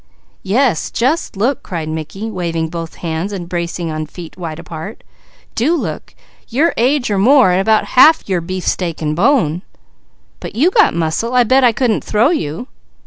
"Yes, just look!" cried Mickey, waving both hands and bracing on feet wide apart. "Do look! Your age or more, and about half your beefsteak and bone." "But you got muscle. I bet I couldn't throw you!"